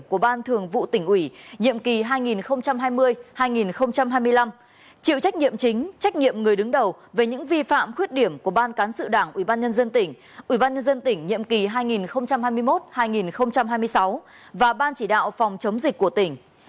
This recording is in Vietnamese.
của ban thường vụ tỉnh ủy nhiệm kỳ hai nghìn hai mươi hai nghìn hai mươi năm chịu trách nhiệm chính trách nhiệm người đứng đầu về những vi phạm khuyết điểm của ban cán sự đảng ủy ban nhân dân tỉnh ubnd tỉnh nhiệm kỳ hai nghìn hai mươi một hai nghìn hai mươi sáu và ban chỉ đạo phòng chống dịch của tỉnh